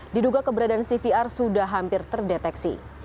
diduga keberadaan cvr sudah hampir terdeteksi